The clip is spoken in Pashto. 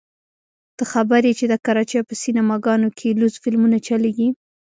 ته خبر يې چې د کراچۍ په سينما ګانو کښې لوڅ فلمونه چلېږي.